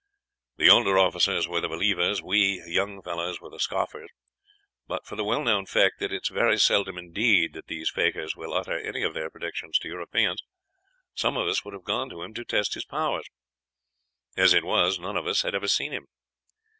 "The older officers were the believers, we young fellows were the scoffers. But for the well known fact that it is very seldom indeed that these fakirs will utter any of their predictions to Europeans, some of us would have gone to him to test his powers. As it was, none of us had ever seen him.